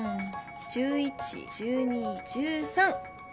１１１２１３！